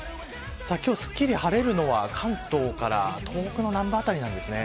今日すっきり晴れるのは関東から東北の南部辺りなんですね。